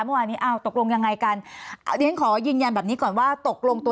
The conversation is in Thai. เมื่อวานนี้อ้าวตกลงยังไงกันเดี๋ยวฉันขอยืนยันแบบนี้ก่อนว่าตกลงตัว